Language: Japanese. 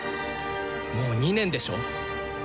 もう２年でしょ。